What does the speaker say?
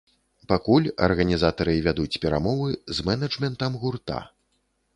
Пакуль арганізатары вядуць перамовы з мэнэджмэнтам гурта.